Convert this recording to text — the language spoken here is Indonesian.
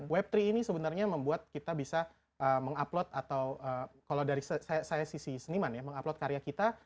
web tiga ini sebenarnya membuat kita bisa mengupload atau kalau dari sisi seniman ya mengupload karya kita